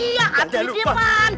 iya ada di depan